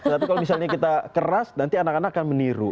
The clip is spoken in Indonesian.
tapi kalau misalnya kita keras nanti anak anak akan meniru